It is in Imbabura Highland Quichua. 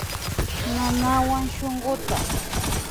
Nanawan shunkuta